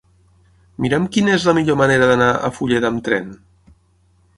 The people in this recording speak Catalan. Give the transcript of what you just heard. Mira'm quina és la millor manera d'anar a Fulleda amb tren.